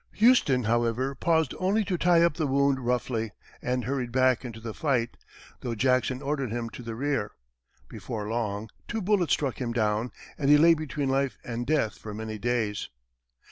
Houston, however, paused only to tie up the wound roughly, and hurried back into the fight, though Jackson ordered him to the rear. Before long, two bullets struck him down, and he lay between life and death for many days.